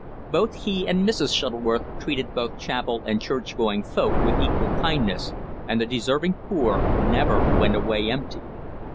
Both he and Mrs. Shuttleworth treated both chapel and church going folk with equal kindliness, and the deserving poor never went empty away.